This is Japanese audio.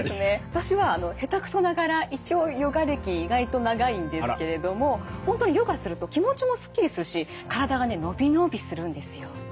私は下手くそながら一応ヨガ歴意外と長いんですけれども本当にヨガすると気持ちもすっきりするし体がね伸び伸びするんですよ。